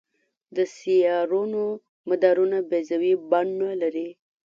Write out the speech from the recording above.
د سیارونو مدارونه بیضوي بڼه لري.